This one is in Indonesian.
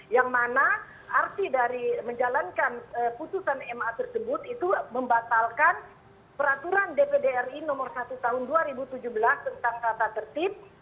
yang mana arti dari menjalankan putusan ma tersebut itu membatalkan peraturan dpd ri nomor satu tahun dua ribu tujuh belas tentang tata tertib